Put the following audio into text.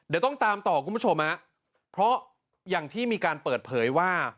เดี๋ยวต้องตามต่อคุณผู้ชมฮะเพราะอย่างที่มีการเปิดเผยว่า